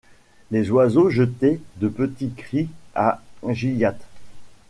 Les oiseaux jetaient de petits cris à Gilliatt.